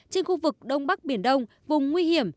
trên khu vực đông bắc biển đông vùng nguy hiểm